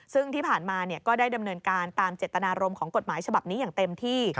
ซึ่งที่ผ่านมาก็ได้ดำเนินการตามเจตนารมณ์ของกฎหมายฉบับนี้อย่างเต็มที่